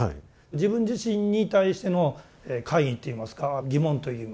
自分自身に対しての懐疑っていいますか疑問といいますか。